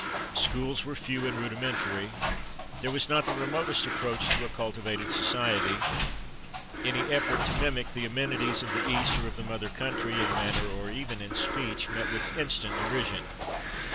Schools were few and rudimentary; there was not the remotest approach to a cultivated society; any effort to mimic the amenities of the East, or of the mother country, in manner or even in speech, met with instant derision.